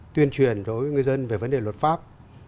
tuyên truyền cho người dân về vấn đề luật pháp